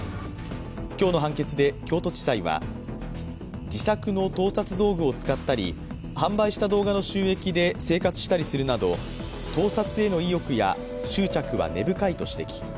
今日の判決で京都地裁は、自作の盗作道具を使ったり販売した動画の収益で生活したりするなど、盗撮への意欲や執着は根深いと指摘。